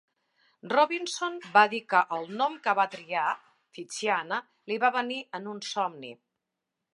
Robinson va dir que el nom que va triar, "Psychiana", li va venir en un somni.